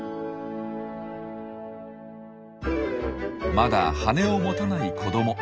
まだ羽を持たない子ども。